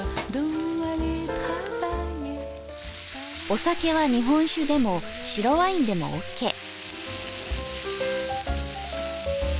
お酒は日本酒でも白ワインでもオッケー。